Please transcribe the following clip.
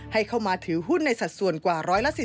ให้เข้ามาถือหุ้นในสัดส่วนกว่า๑๔๐